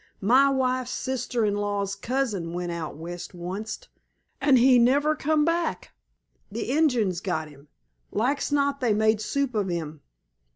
"My wife's sister in law's cousin went out west onct, an' he never come back. The Injuns got him. Like's not they made soup of him.